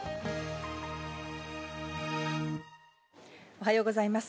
おはようございます。